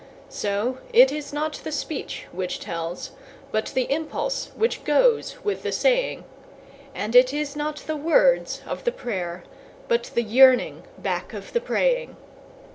So it is not the speech which tells, but the impulse which goes with the saying; And it is not the words of the prayer, but the yearning back of the praying.